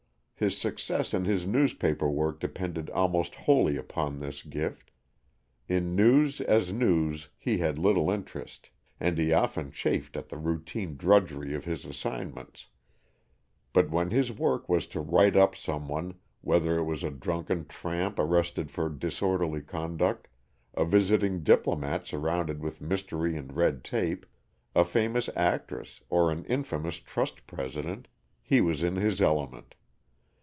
His success in his newspaper work depended almost wholly upon this gift. In news as news he had little interest, and he often chafed at the routine drudgery of his assignments, but when his work was to "write up" some one, whether it was a drunken tramp arrested for disorderly conduct, a visiting diplomat surrounded with mystery and red tape, a famous actress or an infamous trust president, he was in his element.